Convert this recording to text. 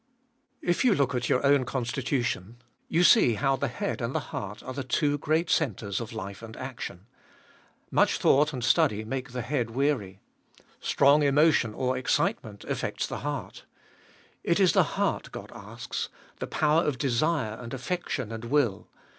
1. If you look at your own constitution, you see how the head and the heart are the two great centres of life and action. Much thought and study make the head weary. Strong emotion or excitement affects the heart. It is the heart Qod asks — the power of desire and affection and will.